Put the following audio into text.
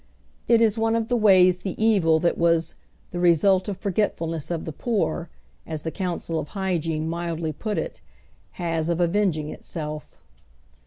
It is one of the ways the evil that was " the result of forgetfulness of the poor," as tlie Council of Ilygiene mildly put it, has of avenging itself.